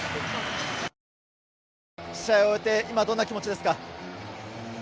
試合を終えて今どんなお気持ちですか？